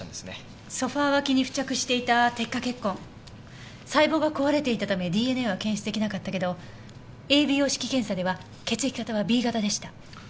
ソファ脇に付着していた滴下血痕細胞が壊れていたためＤＮＡは検出できなかったけどＡＢＯ式検査では血液型はＢ型でした。